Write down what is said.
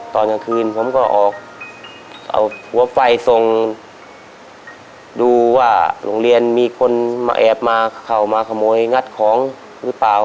ตอนกลางคืนผมก็ออกเอาหัวไฟส่งดูว่าโรงเรียนมีคนมาแอบมาเข้ามาขโมยงัดของหรือเปล่า